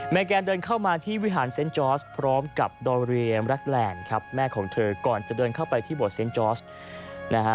แกนเดินเข้ามาที่วิหารเซ็นต์จอร์สพร้อมกับดอเรียมรักแลนด์ครับแม่ของเธอก่อนจะเดินเข้าไปที่บทเซ็นต์จอร์สนะฮะ